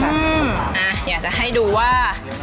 อยากจะให้ดูว่า